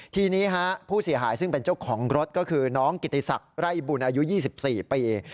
ทีนี้ผู้เสียหายซึ่งเป็นเจ้าของรถก็คือน้องกิติศักดิ์ไร่บุญอายุ๒๔ปี